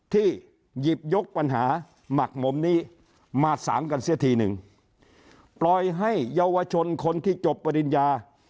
ที่หยิบยกปัญหาหมักหมมนี้มาสางกันเสียทีหนึ่งปล่อยให้เยาวชนคนที่จบปริญญา